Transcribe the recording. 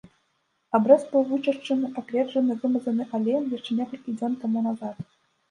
Абрэз быў вычышчаны, агледжаны, вымазаны алеем яшчэ некалькі дзён таму назад.